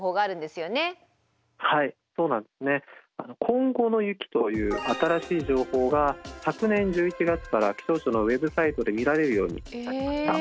「今後の雪」という新しい情報が昨年１１月から気象庁のＷｅｂサイトで見られるようになりました。